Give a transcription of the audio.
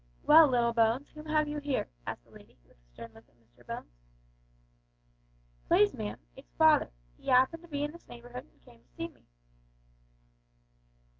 "Well, little Bones, whom have you here?" asked the lady, with a stern look at Mr Bones. "Please, ma'am, it's father. He 'appened to be in this neighbourhood, and came to see me."